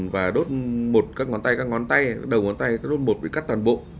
và đốt một các ngón tay các ngón tay các đầu ngón tay các đốt một bị cắt toàn bộ